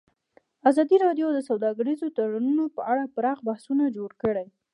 ازادي راډیو د سوداګریز تړونونه په اړه پراخ بحثونه جوړ کړي.